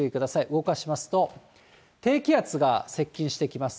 動かしますと、低気圧が接近してきます。